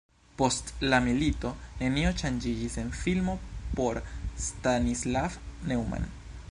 Post la milito nenio ŝanĝiĝis en filmo por Stanislav Neumann.